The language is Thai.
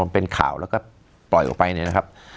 เป็นข่าวแล้วก็ปล่อยออกไปเนี่ยนะครับ